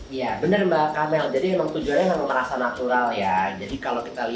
iya benar mbak kamel jadi memang tujuannya memang merasa natural ya